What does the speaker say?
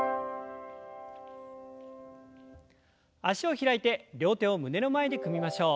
脚を開いて両手を胸の前で組みましょう。